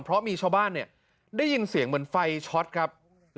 เพราะมีชาวบ้านเนี่ยได้ยินเสียงเหมือนไฟช็อตครับ